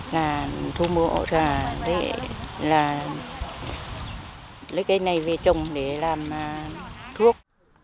là thu mộ là lấy cây này về trồng để làm thuốc